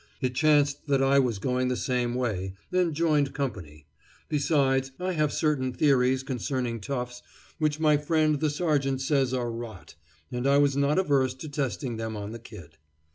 It chanced that I was going the same way, and joined company. Besides, I have certain theories concerning toughs which my friend the sergeant says are rot, and I was not averse to testing them on the Kid.